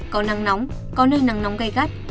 có nắng nóng có nơi nắng nóng gai gắt